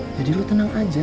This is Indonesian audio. jadi lo tenang aja